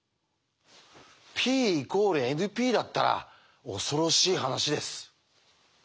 Ｐ＝ＮＰだったら恐ろしい話です。